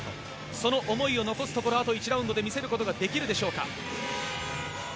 その思いをあと１ラウンドで見せることはできるのでしょうか。